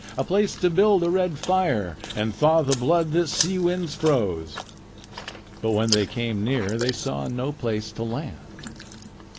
A place to build a red fire And thaw the blood that sea winds froze." But when they came near they saw no place to land.